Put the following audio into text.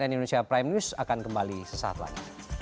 dan cnn indonesia prime news akan kembali sesaat lain